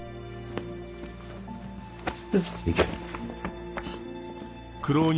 行け。